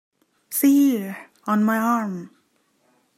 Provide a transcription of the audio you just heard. See here, on my arm!